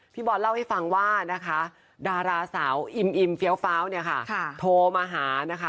พี่บอลเล่าให้ฟังว่านะคะดาราสาวอิ่มเฟี้ยวฟ้าวเนี่ยค่ะโทรมาหานะคะ